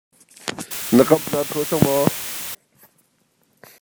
Na kam naa ṭhuah cang maw?